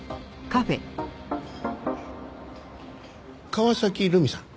川崎留美さん。